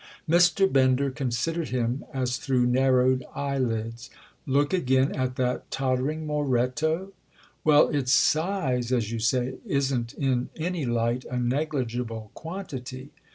Mr. Bender considered him as through narrowed eyelids. "Look again at that tottering Moretto?" "Well, its size—as you say—isn't in any light a negligible quantity."